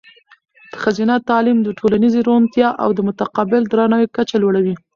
ښځینه تعلیم د ټولنیزې روڼتیا او د متقابل درناوي کچه لوړوي.